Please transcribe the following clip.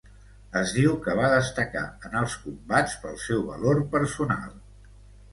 Es diu que va destacar en els combats pel seu valor personal.